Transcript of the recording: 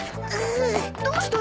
どうした？